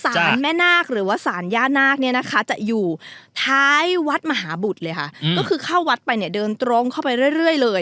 แม่นาคหรือว่าสารย่านาคเนี่ยนะคะจะอยู่ท้ายวัดมหาบุตรเลยค่ะก็คือเข้าวัดไปเนี่ยเดินตรงเข้าไปเรื่อยเลย